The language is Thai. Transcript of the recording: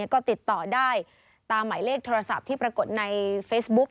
ก็ติดต่อได้ตามหมายเลขโทรศัพท์ที่ปรากฏในเฟซบุ๊ก